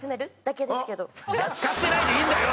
じゃあ使ってないでいいんだよ！